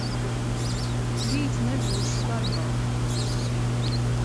Rīt nebūšu darbā.